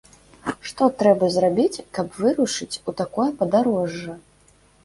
Што трэба зрабіць, каб вырушыць у такое падарожжа?